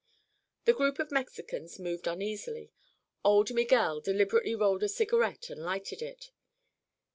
The group of Mexicans moved uneasily. Old Miguel deliberately rolled a cigarette and lighted it.